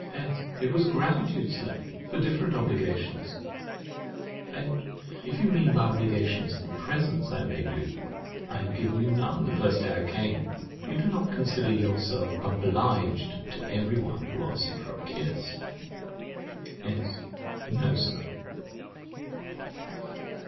S. It was gratitude, Sir, for different obligations. H. If you mean by obligations the presents I made you, I had given you none the first day I came. You do not consider yourself OBLIGED to everyone who asks you for a kiss? S. No, Sir.